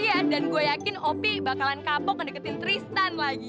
iya dan gue yakin op bakalan kapok ngedeketin tristan lagi